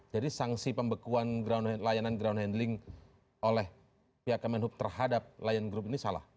jadi sanksi pembekuan layanan ground handling oleh pihak kemenhub terhadap layan grup ini salah